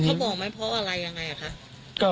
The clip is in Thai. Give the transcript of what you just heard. เขาบอกมั้ยเพราะอะไรยังไงล่ะคะ